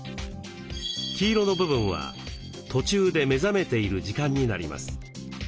黄色の部分は途中で目覚めている時間になります。